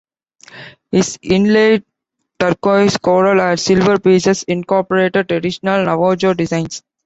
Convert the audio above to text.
His inlaid turquoise, coral, and silver pieces incorporated traditional Navajo designs.